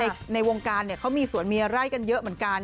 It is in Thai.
ในวงการเนี่ยเขามีสวนเมียไร่กันเยอะเหมือนกัน